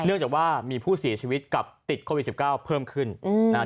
เนื่องจากว่ามีผู้สีชีวิตกับติดโควิดสิบเก้าเพิ่มขึ้นอืม